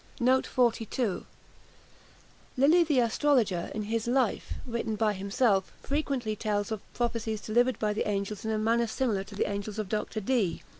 Lilly the astrologer, in his Life, written by himself, frequently tells of prophecies delivered by the angels in a manner similar to the angels of Dr. Dee.